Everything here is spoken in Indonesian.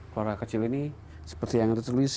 keluarga kecil ini seperti yang ditulis